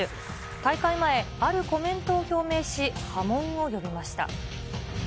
大会前、あるコメントを表明し、波紋を呼びました。